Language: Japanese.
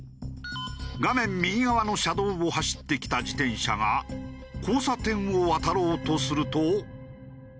画面右側の車道を走ってきた自転車が交差点を渡ろうとすると。